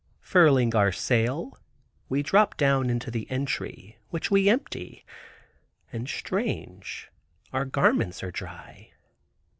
Furling our sail, we drop down into the entry, which we empty, and strange, our garments are dry.